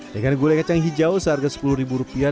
dengan gulai kacang hijau seharga sepuluh rupiah